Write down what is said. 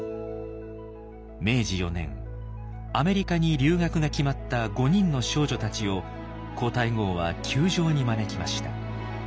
明治４年アメリカに留学が決まった５人の少女たちを皇太后は宮城に招きました。